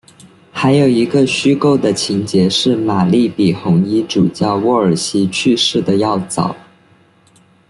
还有一个虚构的情节是玛丽比红衣主教沃尔西去世的要早。